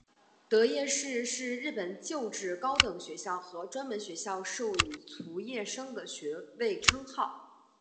得业士是日本旧制高等学校和专门学校授与卒业生的学位称号。